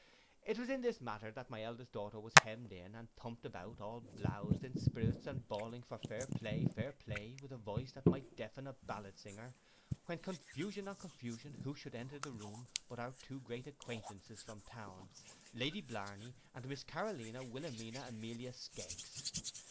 It was in this manner that my eldest daughter was hemmed in, and thumped about, all blowzed, in spirits, and bawling for fair play, fair play, with a voice that might deafen a ballad singer, when confusion on confusion, who should enter the room but our two great acquaintances from town, Lady Blarney and Miss Carolina Wilelmina Amelia Skeggs!